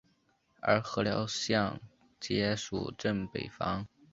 而禾寮港街属镇北坊。